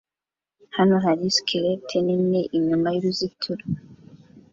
Hano hari skeleti nini inyuma y'uruzitiro